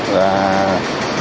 và mở cửa kính